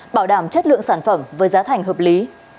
bảo đảm chất lượng sản phẩm với giá thành hợp lý